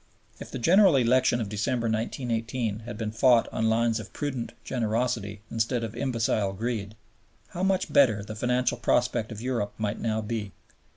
If the General Election of December, 1918, had been fought on lines of prudent generosity instead of imbecile greed, how much better the financial prospect of Europe might now be.